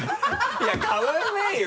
いや変わらないよ